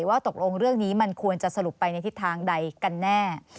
ว่าตกลงเรื่องนี้มันควรจะสรุปไปในทิศทางใดกันแน่